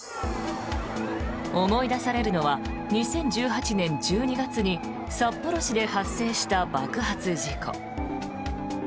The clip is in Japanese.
思い出されるのは２０１８年１２月に札幌市で発生した爆発事故。